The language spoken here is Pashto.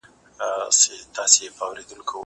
زه هره ورځ کتابونه لوستم؟